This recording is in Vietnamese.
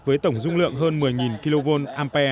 với tổng dung lượng hơn một mươi kva